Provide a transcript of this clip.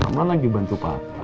mama lagi bantu papa